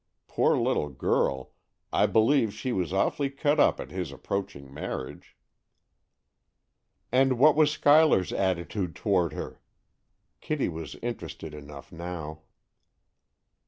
Poor little girl, I believe she was awfully cut up at his approaching marriage." "And what was Schuyler's attitude toward her?" Kitty was interested enough now.